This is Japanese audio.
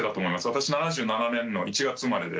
私７７年の１月生まれで。